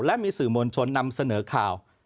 และมีสื่อมวลชนนำเสนอข่าว